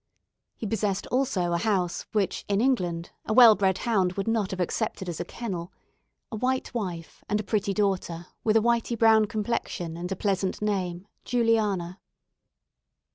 He possessed, also, a house, which in England a well bred hound would not have accepted as a kennel; a white wife, and a pretty daughter, with a whity brown complexion and a pleasant name Juliana.